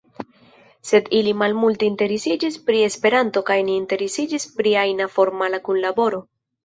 Sed ili malmulte interesiĝis pri Esperanto kaj ne interesiĝis pri ajna formala kunlaboro.